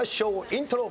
イントロ。